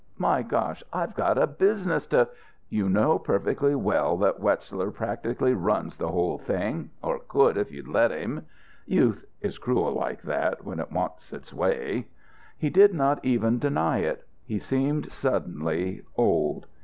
My gosh! I've got a business to " "You know perfectly well that Wetzler practically runs the whole thing or could, if you'd let him." Youth is cruel like that, when it wants its way. He did not even deny it. He seemed suddenly old.